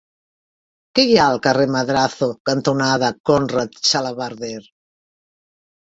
Què hi ha al carrer Madrazo cantonada Conrad Xalabarder?